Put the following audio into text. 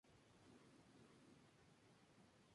Lingüísticamente pertenecen al tipo aglutinante.